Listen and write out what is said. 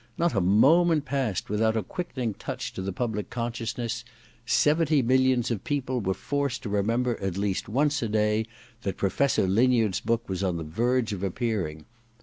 Not a moment passed without a quickening touch to the public con sciousness : seventy millions of people were forced to remember at least once a day that Professor Linyard's book was on the verge of appearing.